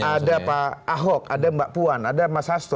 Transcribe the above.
ada pak ahok ada mbak puan ada mas hasto